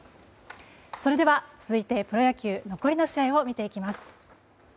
それでは続いてプロ野球残りの試合を見ていきます。